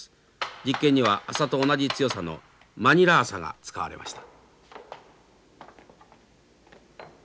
実験には麻と同じ強さのマニラ麻が使われました。